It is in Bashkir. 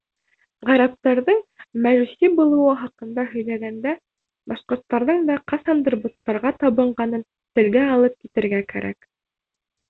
Ғәрәптәрҙең мәжүси булыуы хаҡында һөйләгәндә башҡорттарҙың да ҡасандыр боттарға табынғанын телгә алып китергә кәрәк.